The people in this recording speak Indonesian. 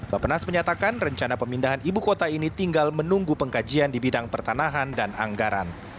bapak penas menyatakan rencana pemindahan ibu kota ini tinggal menunggu pengkajian di bidang pertanahan dan anggaran